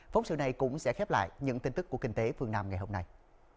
phóng sự này cũng sẽ khép lại những tin tức của kinh tế phương nam ngày hôm nay